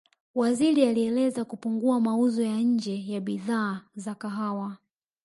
Waziri alieleza kupungua mauzo ya nje ya bidhaa za kahawa